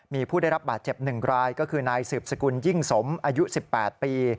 มีผู้ได้รับบาดเจ็บ๑รายก็คือนายสืบสกุลยิ่งสมอายุ๑๘ปี